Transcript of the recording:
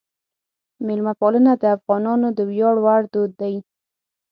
میلمهپالنه د افغانانو د ویاړ وړ دود دی.